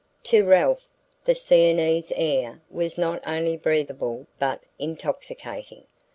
To Ralph the Sienese air was not only breathable but intoxicating.